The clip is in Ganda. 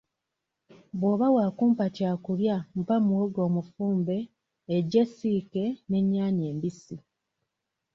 Bw'oba wa kumpa kyakulya mpa muwogo omufumbe eggi essiike n'ennyaanya embisi.